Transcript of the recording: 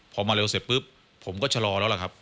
พอมาเร็วเสร็จปุ๊บผมก็ชะลอแล้วล่ะครับ